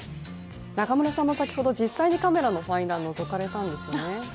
中村さんも先ほど実際にカメラのファインダーのぞかれたんですよね。